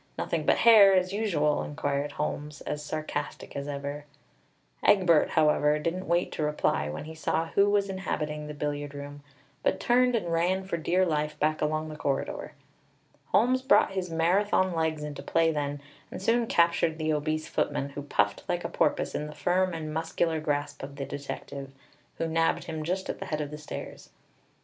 Nothing but hair, as usual!" inquired Holmes, as sarcastic as ever. Egbert, however, didn't wait to reply when he saw who was inhabiting the billiard room; but turned and ran for dear life back along the corridor. Holmes brought his Marathon legs into play then, and soon captured the obese footman, who puffed like a porpoise in the firm and muscular grasp of the detective, who nabbed him just at the head of the stairs.